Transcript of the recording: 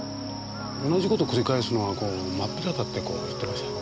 同じこと繰り返すのはこう真っ平だってこう言ってました。